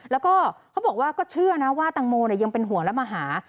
แล้วก็เขาบอกว่าก็เชื่อนะว่าตังโมยังเป็นห่วงและมาหา